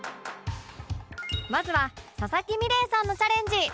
まずは佐々木美玲さんのチャレンジ